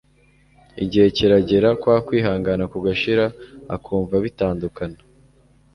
igihe kiragera kwa kwihangana kugashira akumva batandukana